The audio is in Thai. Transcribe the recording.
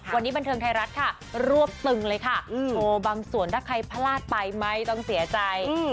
วันนี้บันเทิงไทยรัฐค่ะรวบตึงเลยค่ะโชว์บางส่วนถ้าใครพลาดไปไม่ต้องเสียใจ